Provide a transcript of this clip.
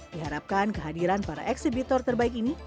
di harapkan kehadiran para eksibitor terbaik ini